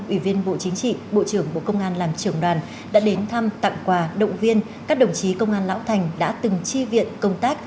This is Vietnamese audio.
ủy viên bộ chính trị bộ trưởng bộ công an làm trưởng đoàn đã đến thăm tặng quà động viên các đồng chí công an lão thành đã từng chi viện công tác